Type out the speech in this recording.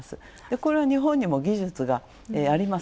これは日本にも技術があります。